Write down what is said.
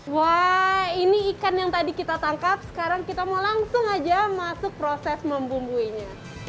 wah ini ikan yang tadi kita tangkap sekarang kita mau langsung aja masuk proses membumbuinya